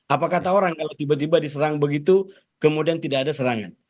apa kata orang kalau tiba tiba diserang begitu kemudian tidak ada serangan